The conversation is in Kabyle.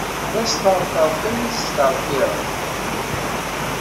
D asṭerṭer kan i tesṭerṭirem.